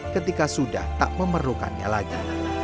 ketika sudah tak memerlukannya lagi